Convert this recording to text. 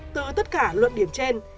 từ tất cả luận điểm trên